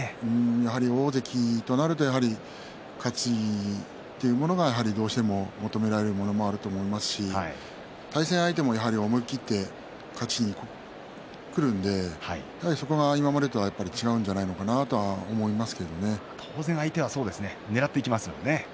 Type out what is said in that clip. やはり大関となると勝ちというものがどうしても求められるものもあると思いますし対戦相手も思い切って勝ちにくるのでそこがやはり今までとは違うんじゃないかなと当然、相手はそうですね。